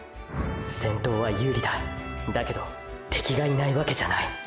先頭は有利だーーだけど“敵”がいないわけじゃない。